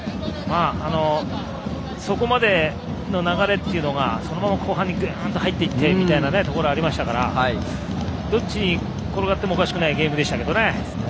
そこまでの流れがそのまま後半にぐんと入っていってというところがありましたからどっちに転がってもおかしくないゲームでした。